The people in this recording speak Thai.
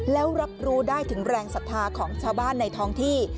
แล้วรับรู้ได้ถึงแรงศรัทธาของชาวบ้านในท้องที่